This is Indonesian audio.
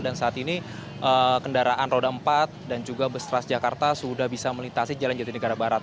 dan saat ini kendaraan roda empat dan juga bestras jakarta sudah bisa melintasi jalan jatinegara barat